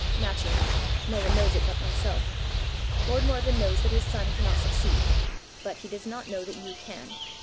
"Naturally; no one knows it but myself. Lord Morven knows that his son cannot succeed, but he does not know that you can.